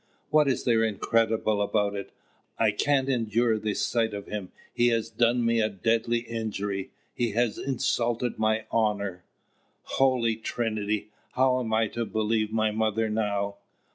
"What is there incredible about it? I can't endure the sight of him: he has done me a deadly injury he has insulted my honour." "Holy Trinity! How am I to believe my mother now?